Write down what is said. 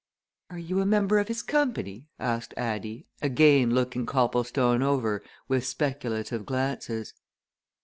"Are you a member of his company?" asked Addie, again looking Copplestone over with speculative glances.